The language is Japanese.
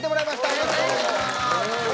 よろしくお願いします。